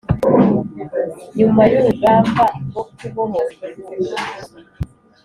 Nyuma y urugamba rwo kubohora Igihugu